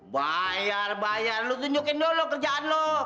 bayar bayar lu tunjukin dulu kerjaan lo